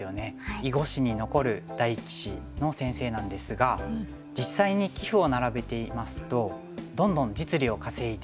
囲碁史に残る大棋士の先生なんですが実際に棋譜を並べてみますとどんどん実利を稼いで。